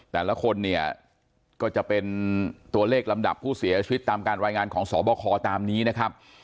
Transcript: แต่ละคนเนี่ยก็จะเป็นตัวเลขลำดับผู้เสียชีวิตตามการรายงานของสบคตามนี้นะครับ